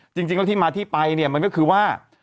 จริงแล้วที่มาที่ไปเนี่ยมันก็คือว่า